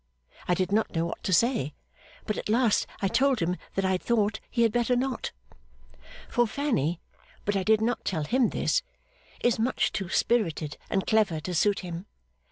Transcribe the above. I did not know what to say, but at last I told him that I thought he had better not. For Fanny (but I did not tell him this) is much too spirited and clever to suit him.